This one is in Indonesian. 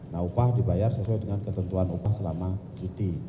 nah upah dibayar sesuai dengan ketentuan upah selama cuti